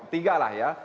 tiga lah ya